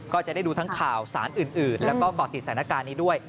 ก็จะได้ดูทั้งข่าวสารอื่นแล้วก็ก่อติดสถานการณ์นี้ด้วย